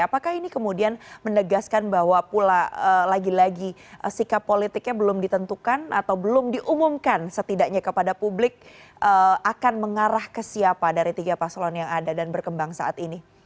apakah ini kemudian menegaskan bahwa pula lagi lagi sikap politiknya belum ditentukan atau belum diumumkan setidaknya kepada publik akan mengarah ke siapa dari tiga paslon yang ada dan berkembang saat ini